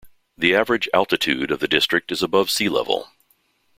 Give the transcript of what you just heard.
The average altitude of the district is above sea level.